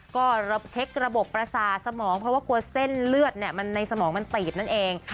ก็เช็คระบบประสาทสมองเพราะว่ากลัวเส้นเลือดในสมองมันตีบนั่นเอง